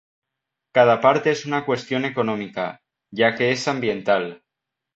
Cada parte es una cuestión económica, ya que es ambiental.